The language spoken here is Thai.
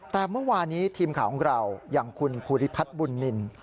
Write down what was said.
แต่เมื่อวานี้ทีมข่าวของเราอย่างคุณภูริพัฒน์บุญนิน